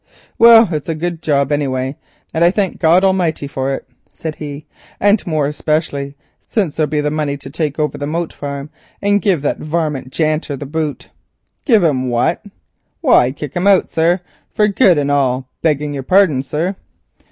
"Well, it's a good job anyway, and I thank God Almighty for it," said he, "and more especial since there'll be the money to take over the Moat Farm and give that varmint Janter the boot." "Give him what?" "Why, kick him out, sir, for good and all, begging your pardon, sir."